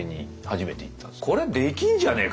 「これできんじゃねえか」